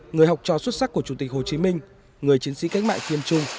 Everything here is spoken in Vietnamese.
người học trò xuất sắc của chủ tịch hồ chí minh người chiến sĩ cách mạng kiên trung